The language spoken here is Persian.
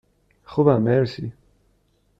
خوبم، مرسی.